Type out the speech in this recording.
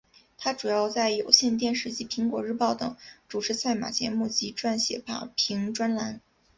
她主要在有线电视及苹果日报等主持赛马节目及撰写马评专栏。